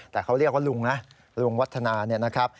แต่เขาเรียกว่าลุงวัฒนา